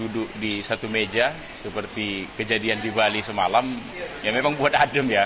duduk di satu meja seperti kejadian di bali semalam ya memang buat adem ya